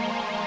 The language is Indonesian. eh yuk yuk